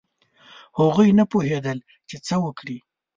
هغوی نه پوهېدل چې څه وکړي.